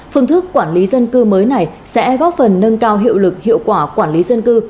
phương thức quản lý dân cư mới này sẽ góp phần nâng cao hiệu lực hiệu quả quản lý dân cư